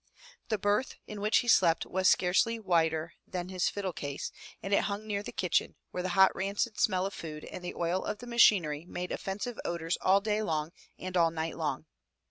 The berth in which he slept was scarcely wider than his fiddle case and it hung near the kitchen, where the hot rancid smell of food and the oil of the machinery made offensive odors all day long and all night long.